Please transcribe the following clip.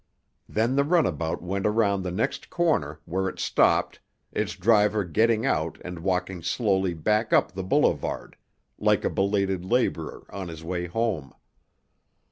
Then the runabout went around the next corner, where it stopped, its driver getting out and walking slowly back up the boulevard, like a belated laborer on his way home.